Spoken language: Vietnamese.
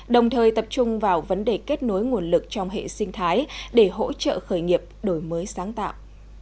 đồng thời tập trung vào vấn đề kết nối nguồn lực trong hệ sinh thái để hỗ trợ khởi nghiệp đổi mới sáng tạo